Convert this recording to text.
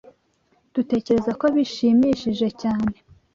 Dutekereza ko bishimishije cyane.